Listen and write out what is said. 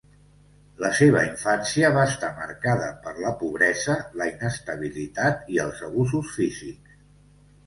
La seva infància va estar marcada per la pobresa, la inestabilitat i els abusos físics.